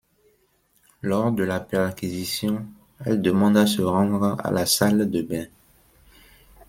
Lors de la perquisition, elle demande à se rendre à la salle de bain.